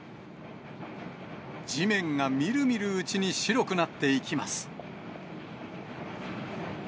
地面がみるみるうちに白くなっていきます。